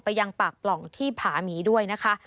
ยังปากปล่องที่ผาหมีด้วยนะคะ